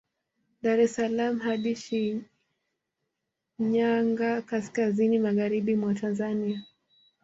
Dar es salaam hadi Shinyanga kaskazini magharibi mwa Tanzania